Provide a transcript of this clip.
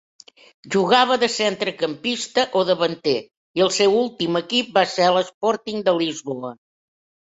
Jugava de centrecampista o davanter i el seu últim equip va ser l'Sporting de Lisboa.